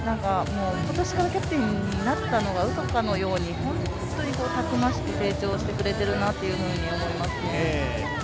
もう今年からキャプテンになったのが、うそかのように本当にたくましく成長してくれているなと思いますね。